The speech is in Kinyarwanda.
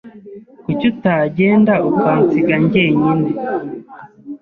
Kuki utagenda ukansiga jyenyine?